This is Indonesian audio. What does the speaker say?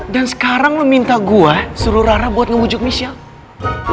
dan sekarang lo minta gue suruh rara buat ngebujuk michelle